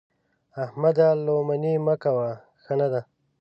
احمده! لو منې مه کوه؛ ښه نه ده.